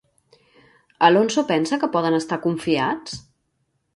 Alonso pensa que poden estar confiats?